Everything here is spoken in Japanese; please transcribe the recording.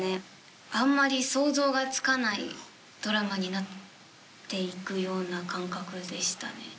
あんまり想像がつかないドラマになって行くような感覚でしたね。